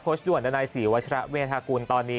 คอร์ชด่วนดนายศรีวชละเวยทากูลตอนนี้